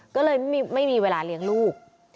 ก็เลยไม่มีเวลาเลี้ยงลูก